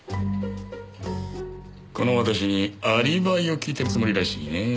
この私にアリバイを聞いてるつもりらしいね。